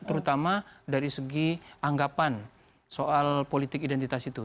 terutama dari segi anggapan soal politik identitas itu